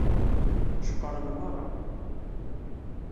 Ceqqṛen meṛṛa.